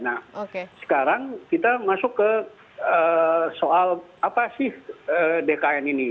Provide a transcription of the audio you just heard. nah sekarang kita masuk ke soal apa sih dkn ini